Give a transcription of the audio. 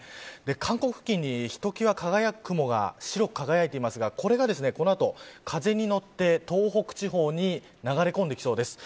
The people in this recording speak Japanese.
韓国付近に、ひときわ輝く雲が白く輝いていますがこれがこの後、風に乗って東北地方に流れ込んできそうです。